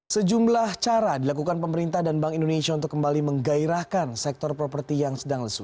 sejumlah cara dilakukan pemerintah dan bank indonesia untuk kembali menggairahkan sektor properti yang sedang lesu